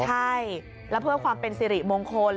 ใช่แล้วเพื่อความเป็นสิริมงคล